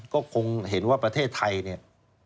ก็คงเห็นว่าประเทศไทยเนี่ย